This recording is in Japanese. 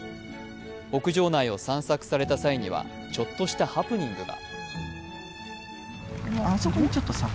牧場内を散策された際にはちょっとしたハプニングが。